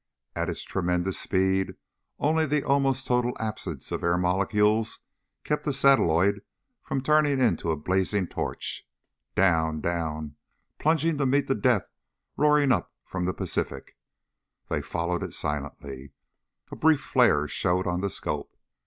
At its tremendous speed only the almost total absence of air molecules kept the satelloid from turning into a blazing torch. Down ... down ... plunging to meet the death roaring up from the Pacific. They followed it silently. A brief flare showed on the scope.